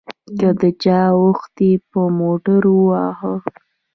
که د چا اوښ دې په موټر ووهه.